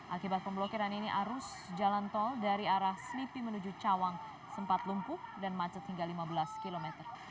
akibat pemblokiran ini arus jalan tol dari arah selipi menuju cawang sempat lumpuh dan macet hingga lima belas km